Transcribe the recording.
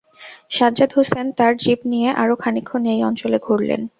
সাজ্জাদ হোসেন তাঁর জীপ নিয়ে আরো খানিকক্ষণ এই অঞ্চলে ঘুরলেন।